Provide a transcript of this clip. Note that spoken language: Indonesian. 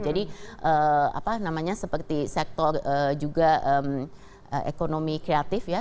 apa namanya seperti sektor juga ekonomi kreatif ya